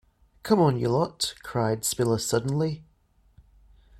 "Come on, you lot," cried Spiller suddenly.